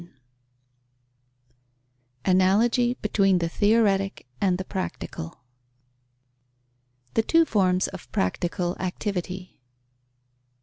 VII ANALOGY BETWEEN THE THEORETIC AND THE PRACTICAL _The two forms of practical activity.